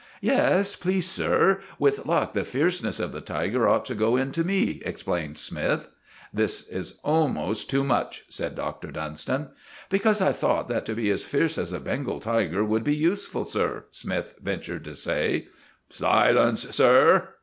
"Yes, please, sir. With luck the fierceness of the tiger ought to go into me," explained Smythe. "This is almost too much," said Dr. Dunstan. "Because I thought that to be as fierce as a Bengal tiger would be useful, sir," Smythe ventured to say. "Silence, sir!"